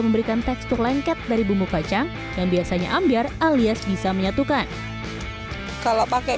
memberikan tekstur lengket dari bumbu kacang yang biasanya ambiar alias bisa menyatukan kalau pakai